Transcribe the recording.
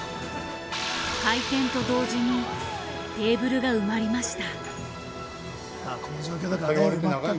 開店と同時にテーブルが埋まりました。